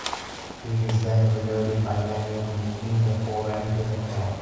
It is then reloaded by manually moving the forend to the front.